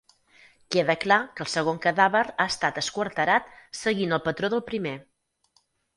Queda clar que el segon cadàver ha estat esquarterat seguint el patró del primer.